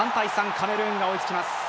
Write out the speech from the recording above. カメルーンが追いつきます。